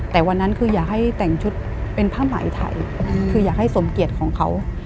แต่วันนั้นคืออยากให้แต่งชุดเป็นผ้าไหมไทยคืออยากให้สมเกียจของเขา